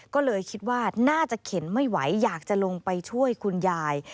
ก็เลยคิดว่าน่าจะเข็นไม่ไหวอยากจะลงไปช่วยคุณยาย